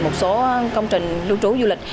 một số công trình lưu trú du lịch